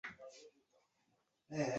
山顶则是著名的观光地。